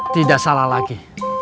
tidak salah lagi